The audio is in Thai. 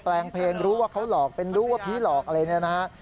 แปลงเพลงรู้ว่าเขาหลอกเป็นรู้ว่าผีหลอกอะไรเนี่ยนะฮะ